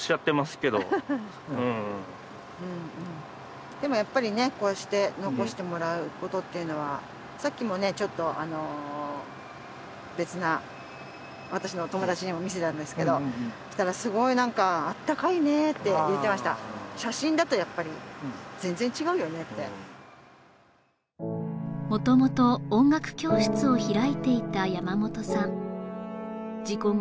うんうんでもやっぱりねこうして残してもらうことっていうのはさっきもねちょっとあの別な私の友達にも見せたんですけどそしたらすごい何かあったかいねって言ってました写真だとやっぱり全然違うよねって元々音楽教室を開いていた山本さん事故後